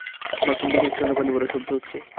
Bathroom থেকে একটানা পানি পড়ার শব্দ হচ্ছে।